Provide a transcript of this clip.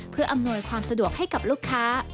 เพื่ออำนวยความสะดวกให้กับลูกค้า